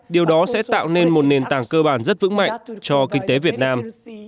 điều đó sẽ tạo nên một nền tảng cơ bản rất vững mạnh cho kinh tế việt nam